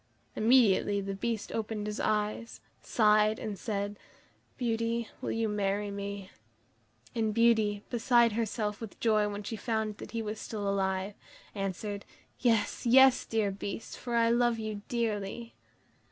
Immediately the Beast opened his eyes, sighed, and said: "Beauty, will you marry me?" And Beauty, beside herself with joy when she found that he was still alive, answered: "Yes, yes, dear Beast, for I love you dearly."